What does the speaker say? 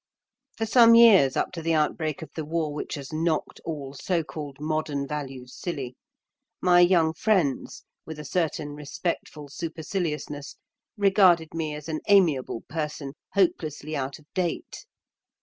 For some years up to the outbreak of the war which has knocked all so called modern values silly, my young friends, with a certain respectful superciliousness, regarded me as an amiable person hopelessly out of date.